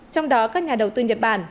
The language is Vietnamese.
trong đó các nhà đầu tư nhật bản